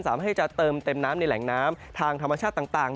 สามารถให้จะเติมเต็มน้ำในแหล่งน้ำทางธรรมชาติต่าง